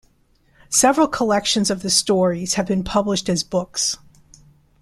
Several collections of the stories have been published as books.